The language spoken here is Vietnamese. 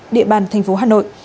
địa bàn thành phố hà nội